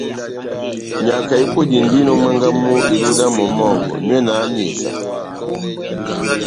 Nyaka ikwedindini ó mwángá mú iluhu dá momó wɔngɔ, nyɔ na háhani esa.